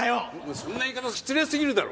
そんな言い方失礼すぎるだろ！